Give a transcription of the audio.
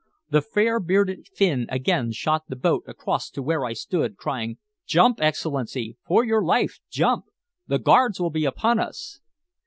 The fair bearded Finn again shot the boat across to where I stood, crying "Jump, Excellency! For your life, jump! The guards will be upon us!"